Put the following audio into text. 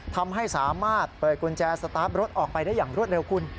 ทำให้สามารถเปิดกุญแจสตาร์ทรถออกไปได้อย่างรวดเร็วคุณ